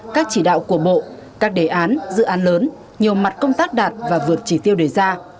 các chỉ đạo của bộ các đề án dự án lớn nhiều mặt công tác đạt và vượt chỉ tiêu đề ra